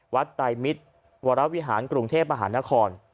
ไตมิตรวรวิหารกรุงเทพมหานคร